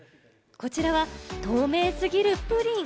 こちらは透明すぎるプリン。